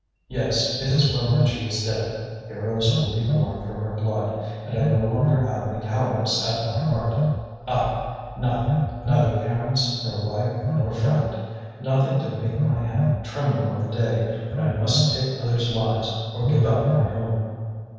Yes, it is well that she is dead; heroes will be born from her blood, and I no longer have any cowardice at my heart. Ah! nothing, neither parents, nor wife, nor friend! Nothing to make my hand tremble on the day when I must take others' lives or give up my own."